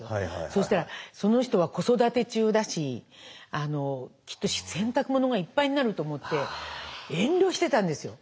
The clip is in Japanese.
そうしたらその人は子育て中だしきっと洗濯物がいっぱいになると思って遠慮してたんですよ。